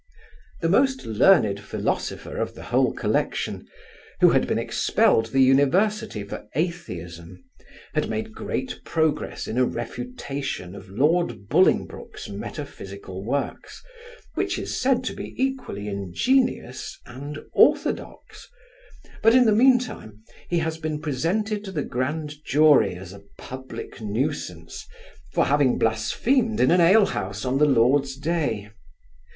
The most learned philosopher of the whole collection, who had been expelled the university for atheism, has made great progress in a refutation of lord Bolingbroke's metaphysical works, which is said to be equally ingenious, and orthodox; but, in the mean time, he has been presented to the grand jury as a public nuisance, for having blasphemed in an ale house on the Lord's day.